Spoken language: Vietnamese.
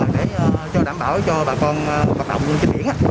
để cho đảm bảo cho bà con hoạt động trên biển